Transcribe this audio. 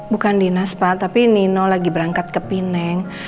bukan dinas pak tapi nino lagi berangkat ke pineng